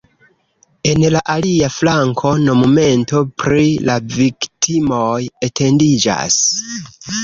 En la alia flanko monumento pri la viktimoj etendiĝas.